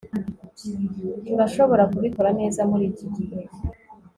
Turashobora kubikora neza muriki gihe